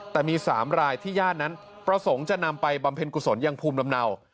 แต่มี๓รายที่ญาตินั้นประสงค์จะนำไปบำเพ็ญกุศลยังภูมิลำเนา